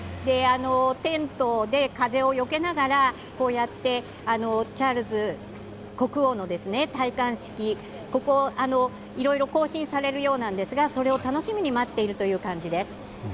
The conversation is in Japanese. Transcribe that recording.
テントで風をよけながら、こうやってチャールズ国王の戴冠式、ここをいろいろ行進されるようなんですがそれを楽しみに待っているという感じです。